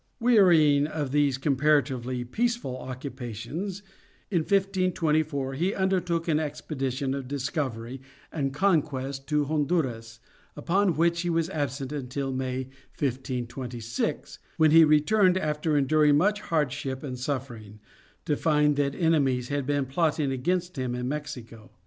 Wearying of these comparatively peaceful occupations, in 1524 he undertook an expedition of discovery and conquest to Honduras, upon which he was absent until May, 1526, when he returned after enduring much hardship and suffering, to find that enemies had been plotting against him in Mexico.